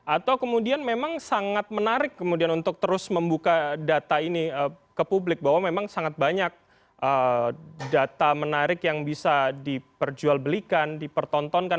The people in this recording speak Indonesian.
atau kemudian memang sangat menarik kemudian untuk terus membuka data ini ke publik bahwa memang sangat banyak data menarik yang bisa diperjualbelikan dipertontonkan